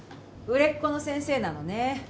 売れっ子の先生なのね。